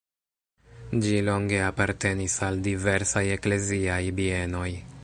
Ĝi longe apartenis al diversaj ekleziaj bienoj.